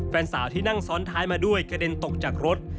แฟนสาวที่นั่งซ้อนท้ายมาด้วยกระเด็นตกจากรถ